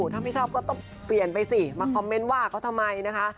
ถ้าไม่ชอบก็ต้องเปลี่ยนไปสิมาคอมเมนต์ว่าเขาทำไมนะคะ